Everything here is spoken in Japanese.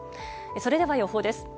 それでは予報です。